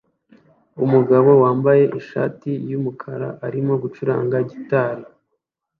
Umugabo wambaye ishati yumukara arimo gucuranga gitari